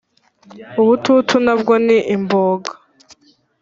ubututu na bwo ni imboga.